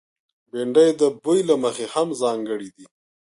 بېنډۍ د بوي له مخې هم ځانګړې ده